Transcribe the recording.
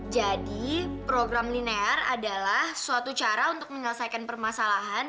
jadi program linear adalah suatu cara untuk menyelesaikan permasalahan